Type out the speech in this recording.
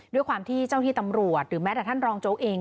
ด้วยความที่เจ้าที่ตำรวจหรือแม้แต่ท่านรองโจ๊กเอง